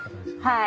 はい。